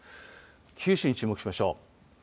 九州に注目しましょう。